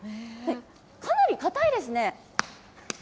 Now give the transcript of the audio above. かなり固いですね。